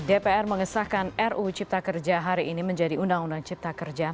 dpr mengesahkan ruu cipta kerja hari ini menjadi undang undang cipta kerja